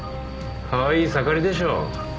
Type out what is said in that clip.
かわいい盛りでしょう？